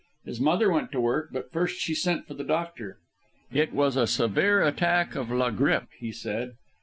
His mother went to work, but first she sent for the doctor. It was a severe attack of la grippe, he said.